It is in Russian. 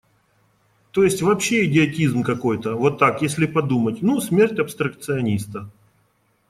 То есть, вообще идиотизм какой-то, вот так, если подумать: ну, смерть абстракциониста.